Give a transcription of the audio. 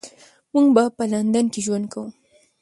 موږ به په لندن کې ژوند کوو.